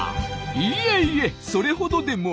いえいえそれほどでも。